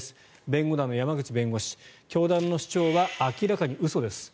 弁護団の山口弁護士教団の主張は明らかに嘘です。